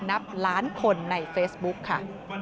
นับล้านคนในเฟซบุ๊กค่ะ